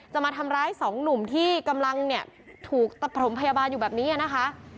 มาทำร้ายสองหนุ่มที่กำลังเนี่ยถูกตะปฐมพยาบาลอยู่แบบนี้นะคะ